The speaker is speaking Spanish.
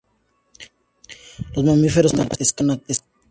Los mamíferos terrestres son escasos.